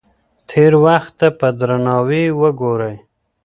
تېر وخت ته په درناوي وګورئ.